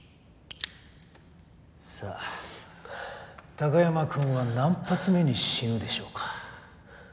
貴山君は何発目に死ぬでしょうか？